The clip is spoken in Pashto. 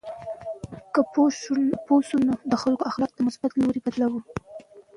که پوه شو، نو د خلکو اخلاق له مثبت لوري بدلوو.